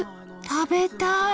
食べたい。